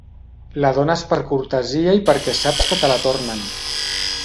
La dónes per cortesia i perquè saps que te la tornen.